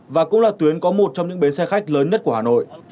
và cũng là tuyến có một trong những bến xe khách lớn nhất của hà nội